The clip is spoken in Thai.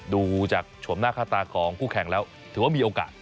ดูจากโฉมหน้าค่าตาของคู่แข่งแล้วถือว่ามีโอกาส